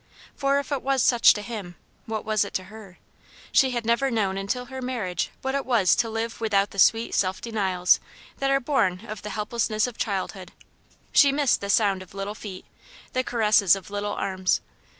For if it was such to him, what was it to her? She had never known until her marriage what it was to live without the sweet self denials that are born of the helplessness of childhood ; she missed the sound of little feet, the caresses of little arms.